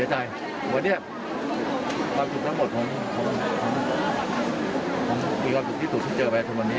ในการที่จะทำอะไรให้เกิดฮ่อเมืองไทยก็หมุนถูกเเ้มันอาจจะเกิดอะไรช่วยก็ได้ไม่รู้จังแม้ตลาด